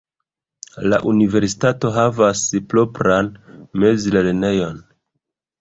La universitato havas propran mezlernejon.